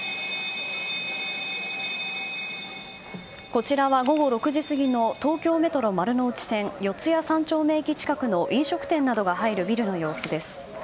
こちらは、午後６時過ぎの東京メトロ丸の内線四谷三丁目駅近くの飲食店などが入るビルの様子です。